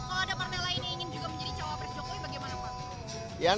kalau ada partai lain yang ingin juga menjadi cawapres jokowi bagaimana pak